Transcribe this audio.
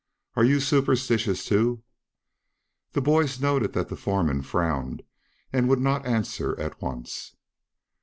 "Are you superstitious, too?" The boys noted that the foreman frowned and would not answer at once.